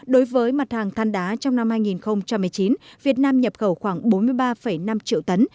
đối với mặt hàng than đá trong năm hai nghìn một mươi chín việt nam nhập khẩu khoảng bốn mươi ba năm triệu tấn